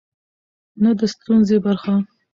نه د ستونزې برخه.